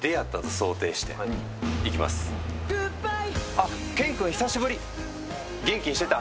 あ、ケン君久しぶり、元気にしてた？